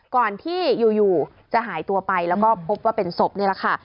ก่อนที่อยู่จะหายตัวไปแล้วก็พบว่าเป็นศพนี่แหละค่ะ